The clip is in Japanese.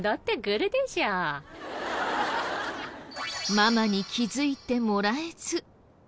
ママに気づいてもらえず。